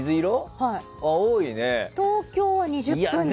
東京は２０分だ。